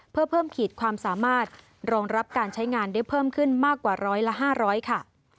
เพื่อเพิ่มขีดความสามารถรองรับการใช้งานได้เพิ่มขึ้นมากกว่าร้อยละ๕๐๐ค่ะ